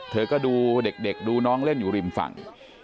เธอก็ดูเด็กดูน้องเล่นอยู่ริมฝั่ง